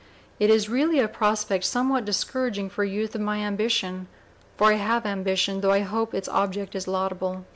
It is really a prospect somewhat discouraging for a youth of my ambition, (for I have ambition though I hope its object is laudable).